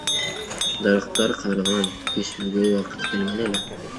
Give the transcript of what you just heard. Дарактар карыган, кесүүгө убакыт келген эле.